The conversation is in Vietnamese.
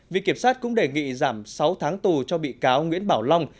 viện kiểm sát cũng đề nghị giảm sáu tháng tù cho bị cáo nguyễn bảo long